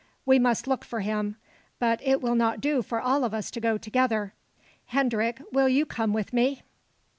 We must look for him, but it will not do for all of us to go together. Hendrik, will you come with me?"